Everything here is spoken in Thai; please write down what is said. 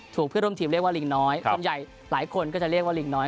เพื่อนร่วมทีมเรียกว่าลิงน้อยส่วนใหญ่หลายคนก็จะเรียกว่าลิงน้อย